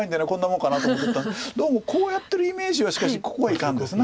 どうもこうやってるイメージはしかしここがいかんですな。